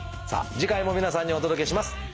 さあ次回も皆さんにお届けします。